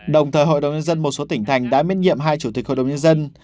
đồng thời hội đồng nhân dân một số tỉnh thành đã miễn nhiệm hai chủ tịch hội đồng nhân dân